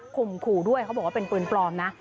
ขู่ด้วยเขาบอกว่าเป็นปืนปลอมนะ